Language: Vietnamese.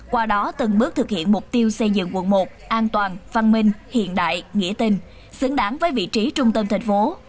qua đó từng bước thực hiện mục tiêu xây dựng quận một an toàn văn minh hiện đại nghĩa tình xứng đáng với vị trí trung tâm thành phố